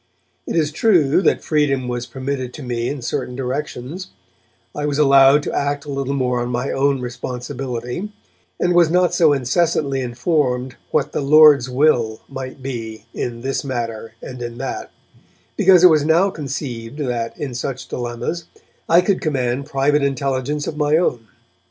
It is true that freedom was permitted to me in certain directions; I was allowed to act a little more on my own responsibility, and was not so incessantly informed what 'the Lord's will' might be in this matter and in that, because it was now conceived that, in such dilemmas, I could command private intelligence of my own.